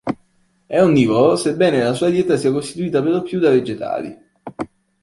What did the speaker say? È onnivoro, sebbene la sua dieta sia costituita per lo più da vegetali.